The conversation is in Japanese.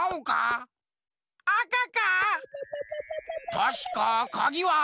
たしかかぎは。